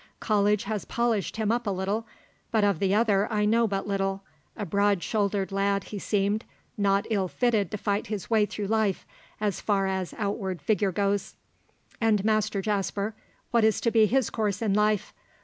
College has polished him up a little, but of the other I know but little; a broad shouldered lad he seemed, not ill fitted to fight his way through life, as far as outward figure goes. And Master Jasper, what is to be his course in life?